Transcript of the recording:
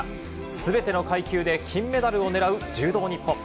すべての階級で金メダルを狙う柔道ニッポン。